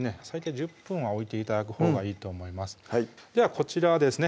１０分は置いて頂くほうがいいと思いますではこちらですね